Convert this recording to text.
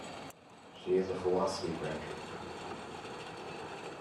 She is a philosophy graduate.